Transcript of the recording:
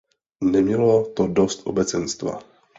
Nemělo to dost obecenstva.